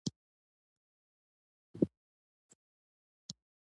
ازادي راډیو د ټولنیز بدلون پر اړه مستند خپرونه چمتو کړې.